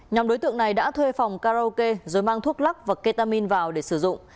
nhóm đối tượng này đã thuê phòng karaoke rồi mang thuốc lắc và ketamin vào để sử dụng